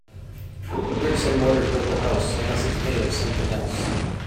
Bricks and mortar build a house, unless it’s made of something else.